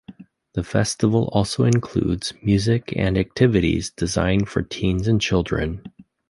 The Festival also includes music and activities designed for teens and children.